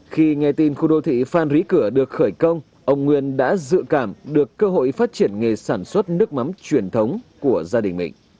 khi nghe tin khu đô thị phan rí cửa được khởi công ông nguyên đã dự cảm được cơ hội phát triển nghề sản xuất nước mắm truyền thống của gia đình mình